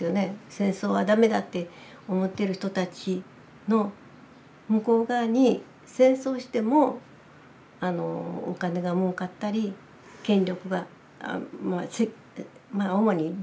戦争は駄目だって思っている人たちの向こう側に戦争をしてもお金がもうかったり権力が主に利権ですよね